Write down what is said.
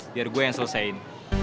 biar gue yang selesein